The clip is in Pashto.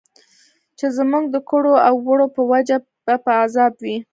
چې زموږ د کړو او وړو په وجه به په عذاب وي.